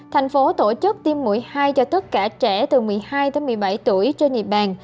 thành phố tổ chức tiêm mũi hai cho tất cả trẻ từ một mươi hai một mươi bảy tuổi trên địa bàn